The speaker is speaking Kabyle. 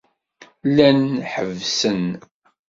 Llan ḥebbsen.